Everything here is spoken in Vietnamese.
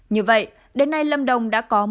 như vậy đến nay lâm đồng đã có